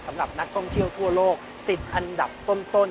สำหรับนักท่องเที่ยวทั่วโลกติดอันดับต้น